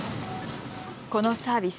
このサービス。